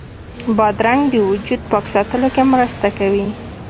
بادرنګ د وجود پاک ساتلو کې مرسته کوي.